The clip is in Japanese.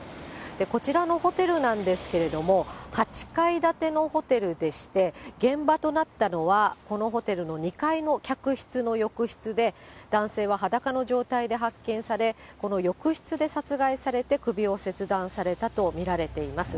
こちらのホテルなんですけれども、８階建てのホテルでして、現場となったのは、このホテルの２階の客室の浴室で、男性は裸の状態で発見され、この浴室で殺害されて首を切断されたと見られています。